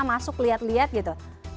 masuk liat liat gitu